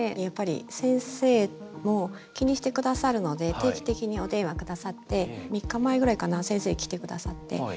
やっぱり先生も気にして下さるので定期的にお電話下さって３日前ぐらいかな先生来て下さって。